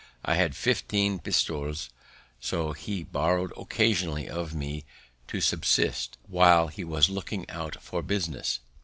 I had fifteen pistoles; so he borrowed occasionally of me to subsist, while he was looking out for business.